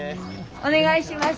お願いします。